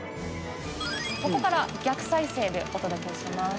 ここから逆再生でお届けします。